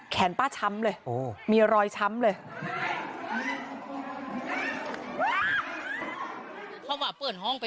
ป้าช้ำเลยมีรอยช้ำเลย